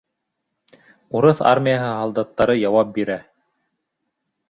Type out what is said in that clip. Урыҫ армияһы һалдаттары яуап бирә.